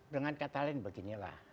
dengan kata lain beginilah